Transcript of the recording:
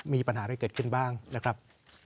มีปัญหาอะไรเกิดขึ้นบ้างนะครับ